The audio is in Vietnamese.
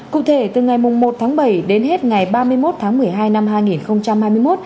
cụ thể từ ngày một tháng bảy đến hết ngày ba mươi một tháng một mươi hai năm hai nghìn hai mươi một